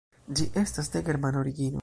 Ĝi estas de germana origino.